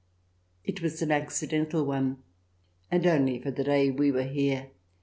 It was an accidental one, and only for the day we were here.